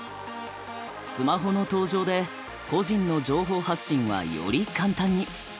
スマホの登場で個人の情報発信はより簡単に。